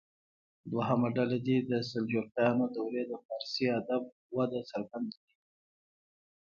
دویمه ډله دې د سلجوقیانو دورې د فارسي ادب وده څرګنده کړي.